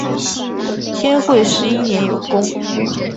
天会十一年有功。